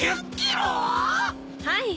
はい。